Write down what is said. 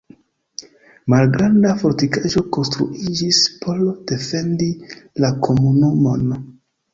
Malgranda fortikaĵo konstruiĝis por defendi la komunumon.